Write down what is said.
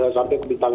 sampai ke bintang lima